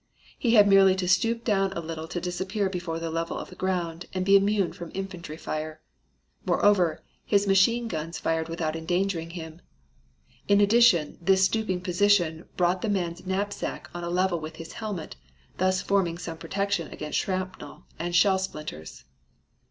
He had merely to stoop down a little to disappear below the level of the ground and be immune from infantry fire; moreover, his machine guns fired without endangering him. In addition, this stooping position brought the man's knapsack on a level with his helmet, thus forming some protection against shrapnel and shell splinters.